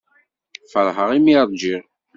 Feṛḥeɣ imi i ṛjiɣ.